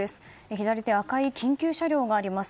左手、赤い緊急車両があります。